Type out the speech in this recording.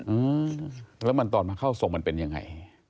อืมแล้วมันตอนมาเข้าทรงมันเป็นยังไง